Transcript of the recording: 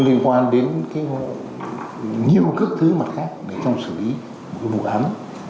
liên quan đến cái nhiều các thứ mặt khác để trong xử lý một cái vụ án